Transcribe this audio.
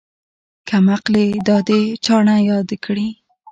کمقلې دادې چانه ياد کړي.